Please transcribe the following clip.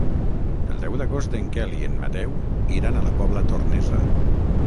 El deu d'agost en Quel i en Mateu iran a la Pobla Tornesa.